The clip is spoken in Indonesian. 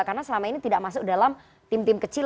karena selama ini tidak masuk dalam tim tim kecil